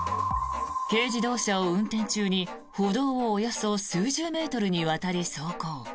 軽自動車を運転中に歩道をおよそ数十メートルにわたり走行。